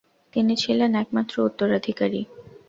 তিনি ছিলেন এক মাত্র উত্তরাধিকারী ।